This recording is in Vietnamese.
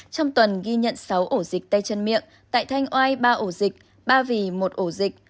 trong tuần ghi nhận sáu ổ dịch tay chân miệng tại thanh oai ba ổ dịch ba vì một ổ dịch